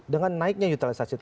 dengan naiknya utilisasi truk